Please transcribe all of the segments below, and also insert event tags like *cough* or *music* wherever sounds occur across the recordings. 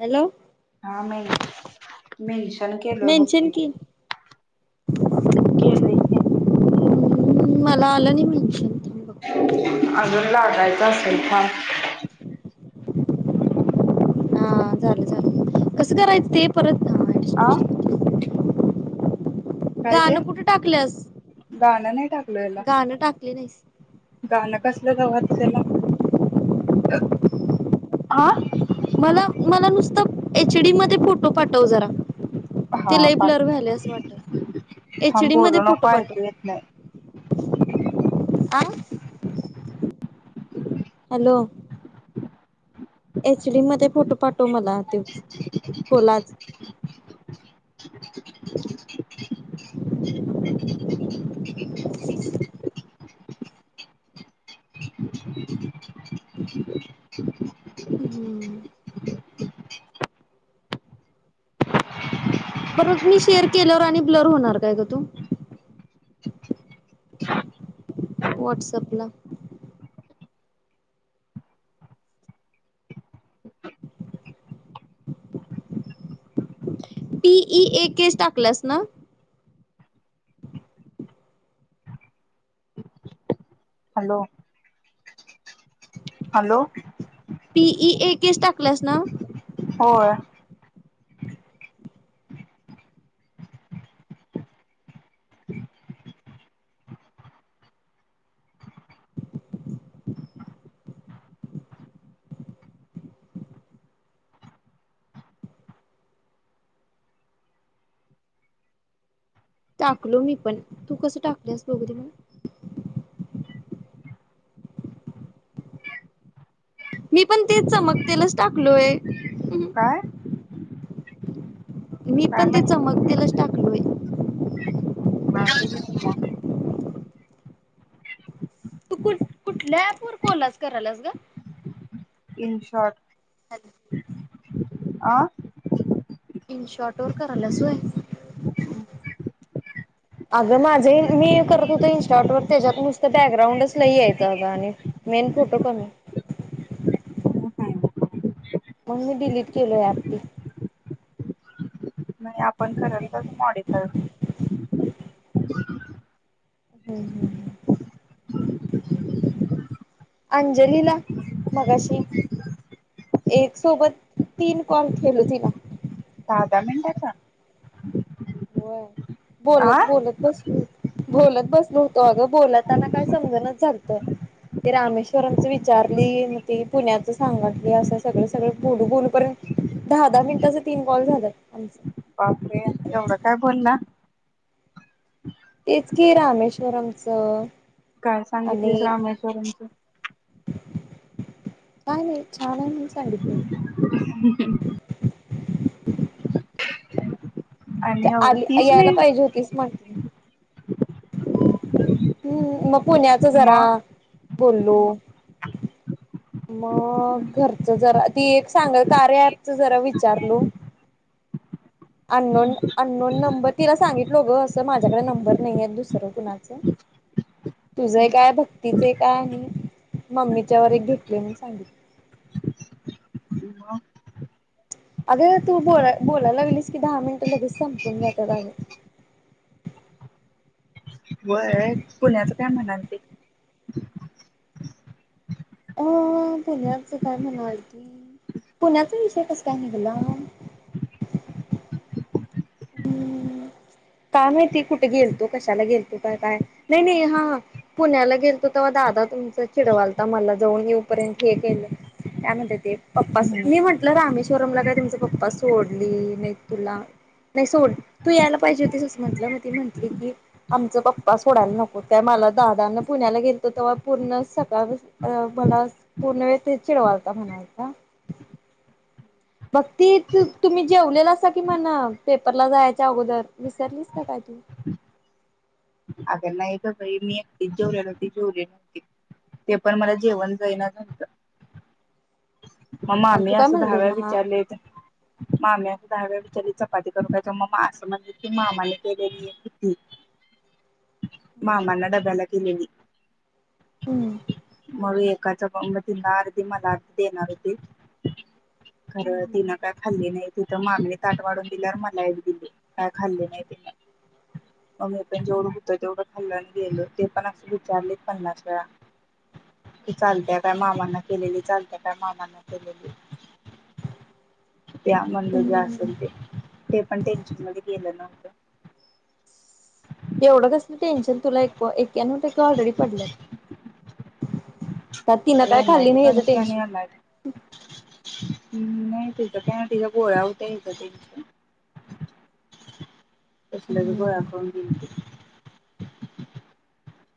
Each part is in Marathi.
हॅलो हा मी मेनषण केलोय बघ मेन्शन तुला की केलं कि मला आलं नाही म्हणजे अजून लागायचा असेल काम हा झालं लं कसं करायचं ते परत आ काय ते गाणं कुठे टाकलंस गाणं नाही टाकलं याला गाणं टाकली नाहीस. गाणं कसलंच लावू आता त्याला हा मला मला नुसतं एच डी मध्ये फोटो पाठव जरा. हा ते लई ब्लर पाठ व्हायलंय असं वाटतं एच थांब डी मध्ये बोलू फोटो नको पाठव. ऐकू येत नाही आ हॅलो एचडी मध्ये फोटो पाठव मला ते कोलाच ह्ह्ह अ् च. हम्म पर मग मी शेअर केल्यावर आणि ब्लर होणार काय ग तो? व्हॉट्सअप ला ह टीईए केस टाकल्यास ना? हॅलो हॅलो पीई ए केस टाकलास ना? होय टाकलो मी पण तू कसं टाकलेस बघ मग मी पण ते चमकतेलच टाकलोय. काय? मी काय पण ते माहिती चमकतेलच टाकलोय. म *unintelligible* तू कुठं कुठल्या ॲप वर कोलास करायलास ग? इनशॉर्ट आं इनशॉट वर करायलास होय हम् अगं माझे मी करत होत इनस्टाटवर त्याच्यात नुसतं बॅकग्राउंडच लय येतं अगं आणि मेन फोटो कमी. मग मी डिलीट केलो आहे ॲप नाही आपण कराल तसं मॉडीफाय होतं. हम्म हम्म अंजलीला मगाशी एक सोबत तीन कॉल केलो तिला. दहा दहा मिनिटांचा. होय बोलत आ बोलत बसलोत. बोलत बसलो होतो अगं बोलताना काय समजणाच झालत. ते रामेश्वरंमच विचारली ते पुण्याच सांगातले असं सगळ सगळं बोलू बोलूपर्यंत दहा दहा मिनिटाचे तीन कॉल झालं आमच. बापरे येवढ काय बोलला? तेच की रामेश्वरमचं. काय सांगितलीस रामेश्वरम्. काही नाही छान आहे म्हणून सांगितलं. ह *unintelligible* आणि एवढं आली तीस यायला मिनिट पाहिजे होतीच म्ह हम्म मग पुण्याच जरा. मग बोलो. मग घरच जरा ती एक सांगल कार्या ॲपच जरा विचारलो. अननोन अननोन नंबर तिला सांगितल गं असं माझ्याकडे नंबर नाही आहे दुसरं कुणाच. स *inaudible* तुझं काय भक्तीच काय आहे मम्मीच्या व एक भेटले म्हणून सांगितले. मग अग तू बोलाय बोलायला लागेलीस की दहा मिनट लगेच संपून जातात अग. होय पुण्याचं काय म्हणालती? अ पुण्याच काय म्हणालती पुण्याचा विषय कस काय निघला? काय माहिती कुठे गेलतो कशाला गेलतो का काय नाही नाही हां पुण्याला गेलतो तेव्हा दादा तुमचा चिडवालता मला जाऊन येऊपर्यंत हे केलं. काय म्हणतात ते पप्पा मी म्हणत तुला रामेश्वरमला काय तुमचा पप्पा सोडली नाही तुला नाही सोड तू यायला पाहिजे ते तसंच म्हटलं मग ती म्हटली की आमचा पप्पा सोडायला नको त्या मला दादान पुण्याला गेलतो तेव्हा पूर्ण सकाळ अ मला पूर्ण वेळ तेच चिडवायलता म्हणालता. भक्ती तुम्ही जेवलेला कि म्हणा पेपरला जायच्या अगोदर विसरला. काय तू अग नाही ग बाई मी एकटीच जेवले नव्हती ती जेवली होती. ते पण मला जेवण जाईना झालंय. मग आणि मामी तू काय असं दहा म्हणलीस वेळा मला विचारलेत. माम्या दहा व्या विचारी चपाती करून त्याच्या मग असं म्हणजे की मामाने केलेली आहे किती. *inaudible* मामांना डब्याला दिलेली हम्म मग एकाचा *unintelligible* तिन अर्धी मला देणार होती हम्म खरं तिन काय खाल्ली नाही तिथं मामीने ताट वाढून दिल्यावर मला एक दिली काय खाल्ली नाही तिला. मग मी पण जेवढं होतं तेवढं खाल्लं आणि गेलो ते पण अस विचारले पन्नास वेळा. ती चालत्या काय मामांना केलेली चालत्या त्या मामांना केलेली. द्या म्हणलं जे हम्म. हम्म असेल ते ते पण टेन्शन मध्ये गेलं नव्हतं. एवढं कसल टेन्शन तुला एक एक्यानव टक्के ऑलरेडी पडल्यात का तिन काय खाल्ली नाही याचं टेन्शन? *unintelligible* हम्म नाही तिच पुन्हा तिझ गोळ आवतच *unintelligible* *inaudible* कसल्या बी गोळ्या हम्म. खाऊन गेलती.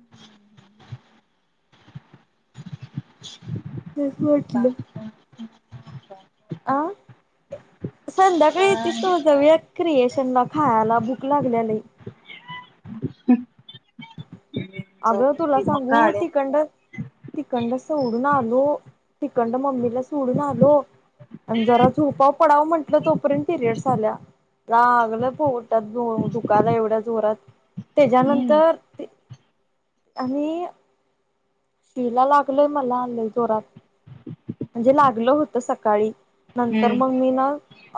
हम्म हम्म हम्म त्याच वाटलं अ संध्याकाळी येतीस तेव्हा जाऊयात. क्रिएशन ला खायला भूक लागल्या लय. अग तुला मग सांगू गाड्या तीकडर तिकडन सोडून आलो तिकडन मम्मीला सोडून आलो. आणि जरा झोपाव पडाव म्हटलं तोपर्यंत पिरेड्स आल्या. लागलं पोटात दुखायला एवढ्या जोरात हम्म त्याच्यानंतर आणि तिला लागलय मला आलंय जोरात म्हणजे लागलं होत सकाळी. नंतर मग हम्म मी ना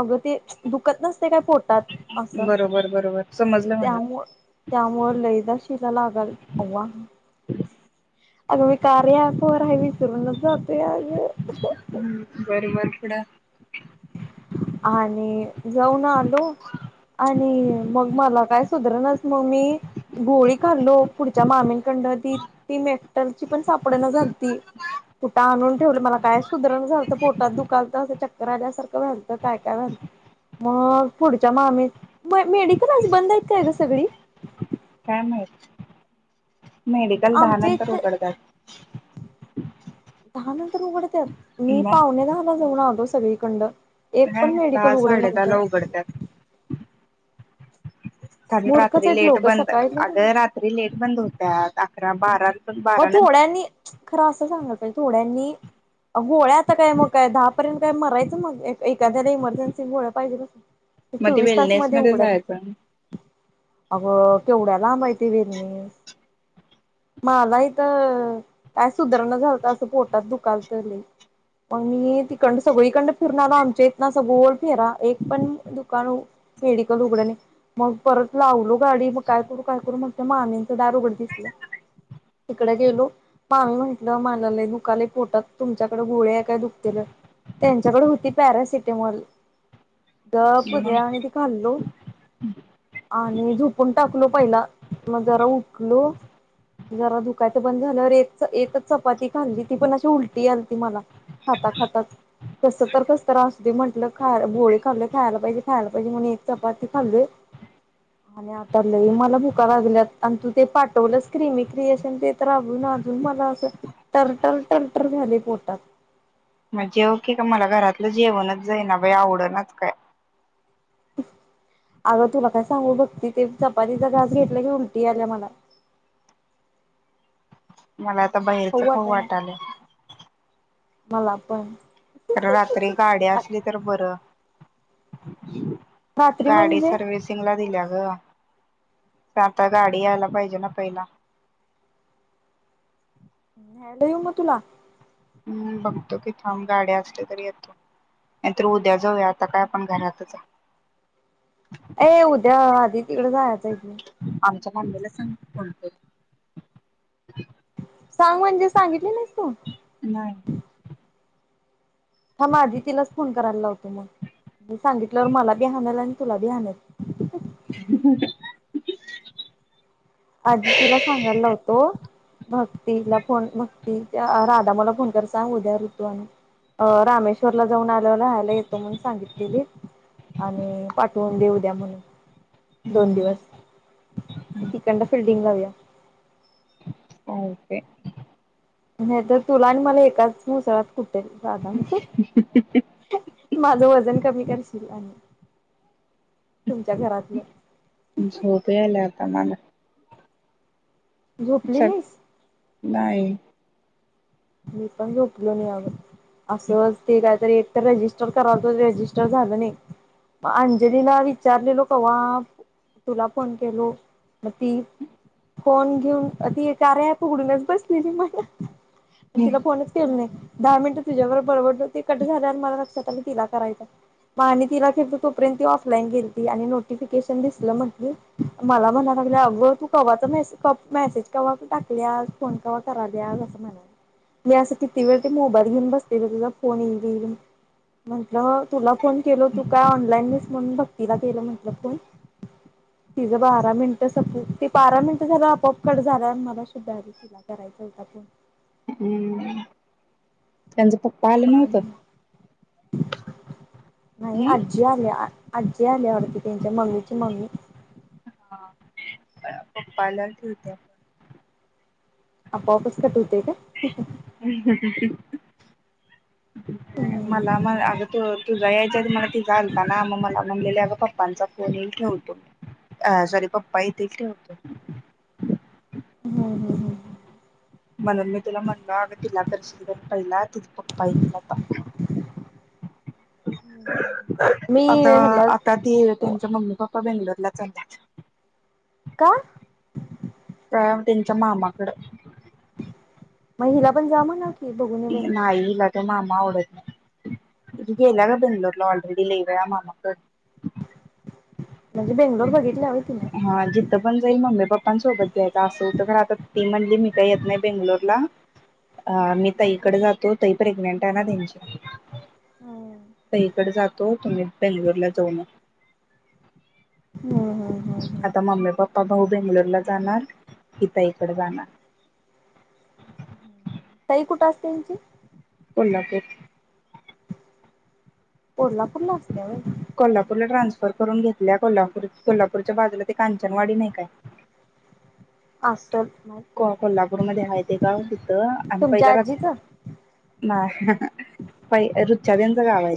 अग ते दुखत नसतय काय पोटात. असं बरोबर बरोबर समजलं मला. त्यामुळ त्यामुळे लैदा शिला लागाल तेव्हा. अगं मी कार्या ॲपवर आहे विसरूनच जातोय अगं. हम्म बरोबर थोडा आणि जाऊन आलो आणि मग मला काय सुधरणाच मग मी गोळी खाल्लो पुढच्या मामींकडन ती. ती मेक्टलची पण सापडना झालती कुठं आणून ठेवले मला काय सुधरण झालतं पोटात दुखालत असं चक्कर आल्यासारखं झालतं काय कायतर. मग पुढच्या मामी मग मेडिकल आज बंद आहेत काय ग सगळी? काय माहित. काल दहा आमच्या नंतर इथ उघडतात. दहा नंतर उघडतात मी मग पाऊणे दहाला जाऊन आलतो सगळीकड. एक पण मेडिकल उघडं नव्हतं. पडतात. कारण मूर्खच रात्री आहेत लेट लोक बंद सकाळी अगं रात्री लेट बंद होत्या अकरा बाराला. मग थोड्यांनी खरं असं सांग थोड्यांनी गोळ्या आता काय मग काय दहा पर्यंत काय मरायचं मग. एखाद्याला इमर्जन्सी मुळ पाहिजेस मग ते चोवीस तास वेलनेस मध्ये उघडत जायचं अगं केवढ्या लांब आहे ते वेरणी. मला इथ काय सुधरणा झालत असं पोटात दुखालत. मग मी तिकडन सगळीकडन फिरुण आलो आमच्या इथन गोल फेरा एक पण दुकान मेडिकल उघड नाही. मग परत लावलो गाडी मग काय करू काय करू मग त्या मामीनचं दार उघडं दिसलं. तिकडे गेलो मामी म्हंटलं मला लय दुखालय पोटात तुमच्याकडे गोळी आहे काय दुखतय तर. त्यांच्याकडे होती पॅरासिटेमॉल गप मग *unintelligible* आणि खाल्लो आणि झोपून टाकलो पहिला मग जरा उठलो जरा दुकायचं बंद झाल्यावर एक एकच चपाती खाल्ली ती पण अशी उलट उलटे आलती मला खाता खाताच. कस तर कस तर असु म्हटलं खाय गोळी खाल्ली खायला पाहिजे खायला. हिजे म्हणून एक चपाती खाल्ली. आणि आता लई ला भुका लागल्यात. आण तू ते पाठवलंस क्रीमी. क्रिएशन तर अजून अजून मला असं टर टर झालेय पोटात. म जेव की ग. मला घरातलं जेवणच जाई ना बाई. आवडनाच काय. अगं तुला काय सांगू भक्ती. ते चपातीचा घास घेतला की उलटी आल्या मला. मला आता खाऊ बाहेरचं खाउ वाटाना वाटलंय. मला पण. रात्री गाडी असली तर बरं. रात्री गाडी म्हणजे सर्विस गला दिल्या ग. आता गाडी यायला पाहिजे ना पहिला. न्यायला येऊ म तुला? बघतो की थांब गाड्या असल्या तर येतो. नाहीतर उद्या जाऊया, आता काय आपण घरातच. ये उद्या आधी तिकडें जायचंय त. आमचं मम्मी ला सांग की फोन करून. सांग म्हणजे, सांगितले नाहीस तू? नाय. थांब आधी तिलाच फोन करायला लावतो मग. मी सांगितलंवर मला बी हाणल आणि तुला बी हाणल. ह *unintelligible* आधी तिला सांगायला लावतो. भक्तीला फोन भक्ती राधा मा ला फोन करसा. उद्या ऋतू आणि अ रामेश्वरला जाऊन आलोना. हाणायला येतो म्हणून सांगितलेली. आणि पाठवून दे ऊद्या म्हणून. दोन हम्म दिवस. *unintelligible* डां फीलडिंग लावूया. काय होते? नाही तर तुला आणि मला एकाच मुसळात कुटेल राधा मा. तू माझं वजन कमी करशील आणि. तुमच्या घरातलं. *unintelligible* प्रमाण. झोपली चल नाहीस? नाही. मी पण झोपलो नाही आजून. असंच ते कायतरी एक रेजिस्टर करायच रेजिस्टर झालं नाही. अंजलीला विचारलेलो कावाच. तुला फोन केलो. म ती फोन घेऊन ती कार्या ॲप उघडूनच बसलेली मला. तिला फोनच केलं नाही. दहा मिनिटं तुझाबर बडबडलो. ते कट झाले आणि मला लक्षात आलं तिला करायचंय. म आणि तिला केलतो तोपर्यंत ती ऑफलाईन गेलीती. आणि नोटिफिकेशन दिसलं म्हटली मला म्हणा लागली अगं तू कवा्हाच मे मेसेज कव्हाच टाकलीया. फोन कवा करायलीया असं म्हण. मी असं किती वेळ ते मोबाईल घेऊन बसलेल. तुझा फोन येईल. म्हंटलं तुला फोन केल तू काय ऑनलाईन नहीस म्हणून मी भक्तीला केलं म्हटलं फोन. तिझं बारा मिनिट सपती बारा मिनिट झालं अपप कट झाला. मला शुद्धा आ तिला करायचं होतं आपूण. हम्म. त्यांचं पप्पा आला बाय नव्हतं. नाही आजी आल्या आजी आल्या वाटतं त्यांच्या मम्मीची मम्मी. हा पप्पाला ठेवत्या. आपओपच कट होते का? ह ह ह! मला म अग तु तुझा यायच्या आधी तर मला तिझा आलता ना मग मला म्हणल्याली अगं पप्पांचा फोन येईल ठेवतो सॉरी पप्पा येतील ठेव हम्म हम्म! म्हणून मी तुला म्हणलो अगं तिला करशील कणी पाहिला तिचं पप्पा येतील आता. मी हेला ती त्यांचं मम्मी पप्पा बेंगलोरला चालल्यात. का? व्यायाम त्यांच्या मामाकड. म हिला पण जा म्हणावं. नाही हिला तो मामा आवडत नाही. ती गेल्या ग बेंगलोरला ऑलरेडी लय वेळा मामाकडं. म्हणजे बेंगलोर बघितल्या व्हय तिन? कुठं पण जाईल मम्मी पप्पांसोबत जायचं असं होतं खर आता ती म्हणली मी काही येत नाही बेंगलोरला अमित ताईकडे जातो ताई प्रेग्नेंट आहे ना तेंचि हम्म ताईकडं जातो तुम्ही बेंगलोरला जाऊ म ह हा! आता मम्मी पप्पा भाऊ बेंगलोरला जाणार मी ताईकड जाणार. *inaudible* ताई कुठं असत्या यांची? कोल्हापूर. कोल्हापूरला असत्या व्हय? कोल्हापूरला ट्रान्सफर करून घेतल्या कोल्हापूर कोल्हापूरच्या बाजूला ते कांचनवाडी नाही काय असल न्हाय. को कोल्हापूरमध्ये हाय ते गाव तिथं आम्ही तुमच्या पहिला राहत आजीचं? न्हाय ह ह पहि रुचादचं गाव हाय.